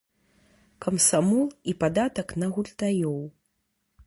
Камсамол і падатак на гультаёў.